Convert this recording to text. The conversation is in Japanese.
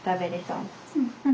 うん。